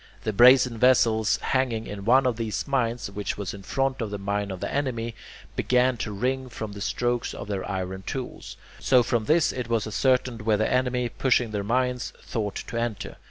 The brazen vessels hanging in one of these mines, which was in front of a mine of the enemy, began to ring from the strokes of their iron tools. So from this it was ascertained where the enemy, pushing their mines, thought to enter.